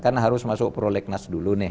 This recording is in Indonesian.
kan harus masuk prolegnas dulu nih